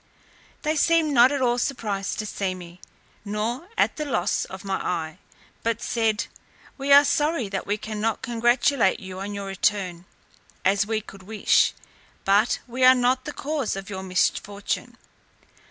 They seemed not at all surprised to see me, nor at the loss of my eye; but said, "We are sorry that we cannot congratulate you on your return, as we could wish; but we are not the cause of your misfortune."